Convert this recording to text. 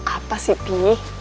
apa sih pi